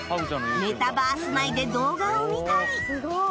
メタバース内で動画を見たり